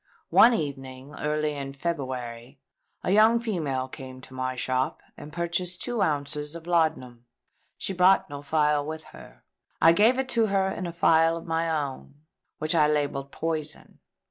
One evening, early in February, a young female came to my shop and purchased two ounces of laudanum. She brought no phial with her. I gave it to her in a phial of my own, which I labelled Poison.